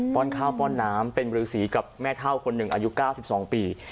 ้อนข้าวป้อนน้ำเป็นฤษีกับแม่เท่าคนหนึ่งอายุ๙๒ปี